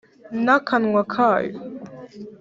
n'akanwa kayo